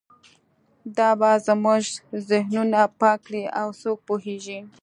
دا به زموږ ذهنونه پاک کړي او څوک پوهیږي